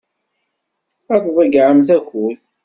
Ad tḍeyyɛemt akud.